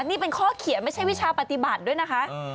นี่เป็นข้อเขียนไม่ใช่วิชาปฏิบัติด้วยนะคะ